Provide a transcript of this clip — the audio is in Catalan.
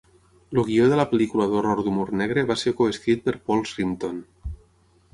El guió de la pel·lícula d'horror d'humor negre va ser coescrit per Paul Shrimpton.